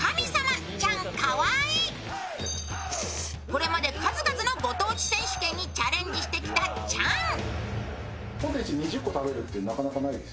これまで数々のご当地選手権にチャレンジしてきたチャン。